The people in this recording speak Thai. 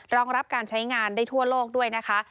รองรับการใช้งานได้ทั่วโลกด้วยนะคะ